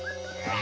あ！